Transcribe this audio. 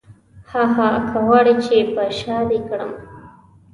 هاهاها که غواړې چې په شاه دې کړم.